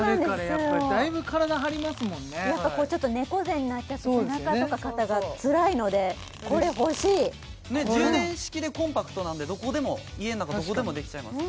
やっぱちょっと猫背になって背中とか肩がつらいのでこれ欲しい充電式でコンパクトなんでどこでも家の中どこでもできちゃいます